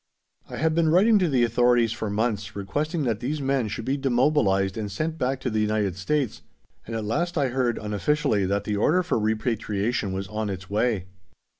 I had been writing to the authorities for months, requesting that these men should be demobilized and sent back to the United States, and at last I heard, unofficially, that the order for repatriation was on its way.